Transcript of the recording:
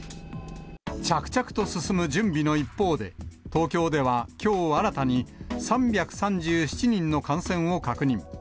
着々と進む準備の一方で、東京ではきょう、新たに３３７人の感染を確認。